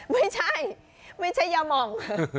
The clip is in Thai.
ไม่ใช่ไม่ใช่ยามอง